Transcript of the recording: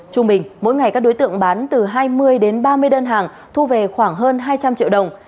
trung bình mỗi ngày các đối tượng bán từ hai mươi đến ba mươi đơn hàng thu về khoảng hơn hai trăm linh triệu đồng